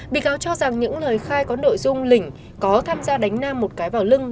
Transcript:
bị cáo cho rằng những lời khai có nội dung lĩnh có tham gia đánh nam một cái vào lưng